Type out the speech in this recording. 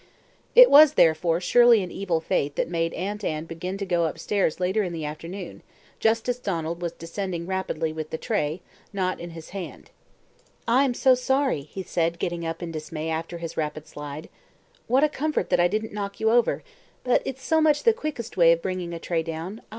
It was, therefore, surely an evil fate that made Aunt Anne begin to go upstairs later in the afternoon, just as Donald was descending rapidly with the tray not in his hand. "I am so sorry," he said, getting up in dismay after his rapid slide. "What a comfort I didn't knock you over; but it's so much the quickest way of bringing a tray down.